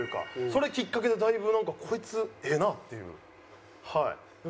それきっかけでだいぶなんか「こいつええな」っていうはい。